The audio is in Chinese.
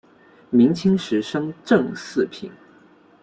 明清时升正四品。